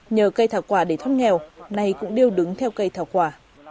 nhờ cây thảo quả để thắp nghèo nay cũng đều đứng theo cây thảo quả